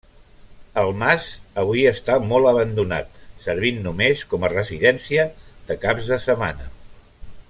El mas avui està molt abandonat, servint només com a residència de caps de setmana.